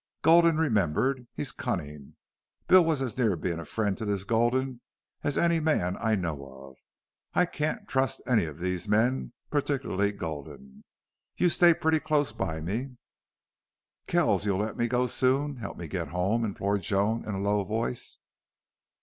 Gulden remembered. He's cunning. Bill was as near being a friend to this Gulden as any man I know of. I can't trust any of these men, particularly Gulden. You stay pretty close by me." "Kells, you'll let me go soon help me to get home?" implored Joan in a low voice.